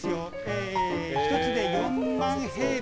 １つで４万平米。